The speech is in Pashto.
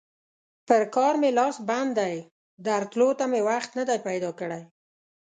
پر کار مې لاس بند دی؛ درتلو ته مې وخت نه دی پیدا کړی.